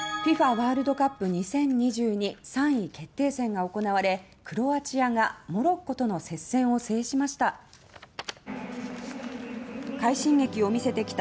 ワールドカップ２０２２３位決定戦が行われクロアチアがモロッコとの接戦を制しました。